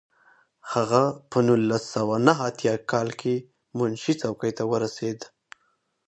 هغه په نولس سوه نهه اتیا کال کې منشي څوکۍ ته ورسېد.